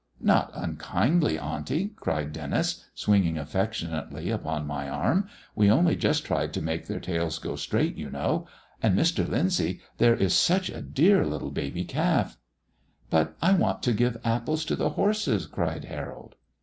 "Not unkindly, auntie," cried Denis, swinging affectionately upon my arm; "we only just tried to make their tails go straight, you know. And, Mr. Lyndsay, there is such a dear little baby calf." "But I want to give apples to the horses," cried Harold.